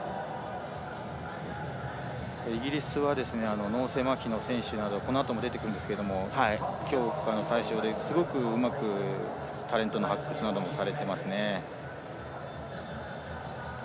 イギリスは脳性まひの選手などこのあとも出てくるんですけどすごくうまくタレントの発掘などもされてますね。